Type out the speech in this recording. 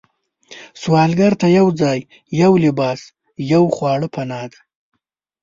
سوالګر ته یو ځای، یو لباس، یو خواړه پناه ده